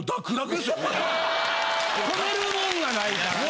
とめるもんがないからな。